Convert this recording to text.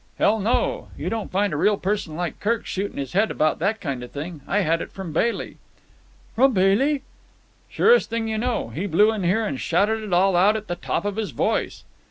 "Hell, no! You don't find a real person like Kirk shooting his head about that kind of thing. I had it from Bailey." "From Bailey?" "Surest thing you know. He blew in here and shouted it all out at the top of his voice."